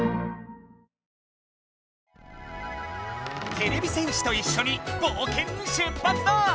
てれび戦士といっしょにぼうけんに出発だ！